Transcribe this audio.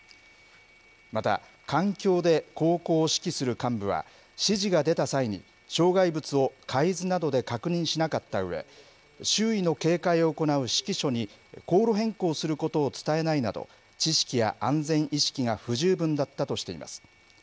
また、艦橋で航行を指揮する幹部は、指示が出た際に障害物を海図などで確認しなかったうえ、周囲の警戒を行う指揮所に航路変更することを伝えないなど、知識や安全意識が不十分だったとしています。